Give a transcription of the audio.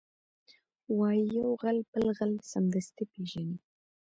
وایي یو غل بل غل سمدستي پېژني